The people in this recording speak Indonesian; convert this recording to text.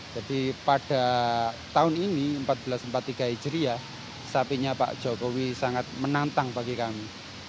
pada tahun ini seribu empat ratus empat puluh tiga hijriah sapinya pak jokowi sangat menantang bagi kami